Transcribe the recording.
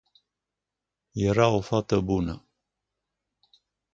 Era o fată bună.